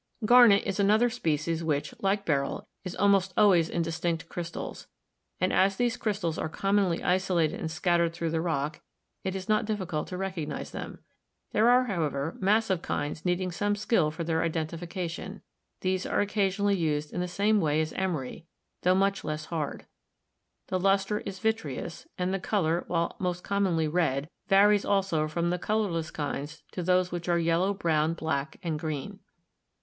Garnet is another species which, like beryl, is almost always in distinct crystals, and as these crystals are com monly isolated and scattered through the rock, it is not difficult to recognise them. There are, however, massive kinds needing some skill for their identification; these are occasionally used in the same way as emery, tho much less hard. The luster is vitreous, and the color, while most commonly red, varies also from the colorless kinds to those which are yellow, brown, black, and green.